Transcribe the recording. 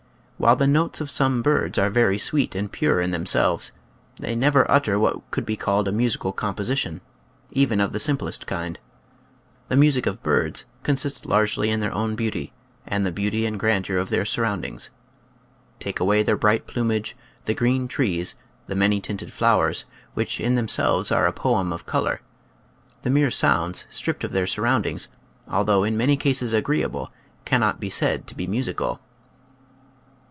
While the notes of some birds are very sweet and pure in themselves, they never utter what could be called a musical composition, even of the simplest kind. The music of birds consists largely in their own beauty and the beauty and grandeur of their surroundings. Take away their bright plumage, the green trees, the many tinted flowers, which in them (~~|, Original from :{<~ UNIVERSITY OF WISCONSIN 88 nature's flitracles. selves are a poem of color; the mere sounds, stripped of their surroundings, although in many cases agreeable, cannot be said to be musical.